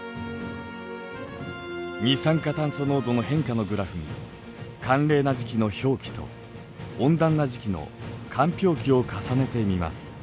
二酸化炭素濃度の変化のグラフに寒冷な時期の氷期と温暖な時期の間氷期を重ねてみます。